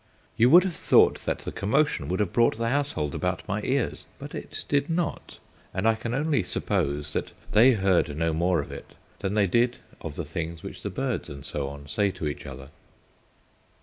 You would have thought that the commotion would have brought the household about my ears; but it did not, and I can only suppose that they heard no more of it than they did of the things which the birds and so on say to each other.